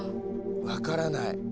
分からない。